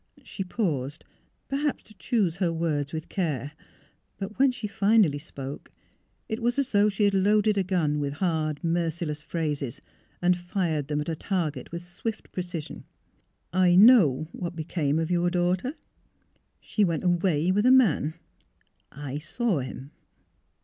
She paused, perhaps to choose her words with care, but when she finally spoke it was as though she had loaded a gun with hard, merciless phrases and fired them at a target with swift precision. " I know what became of your daughter. She went away with a man. I saw him."